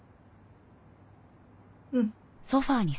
うん。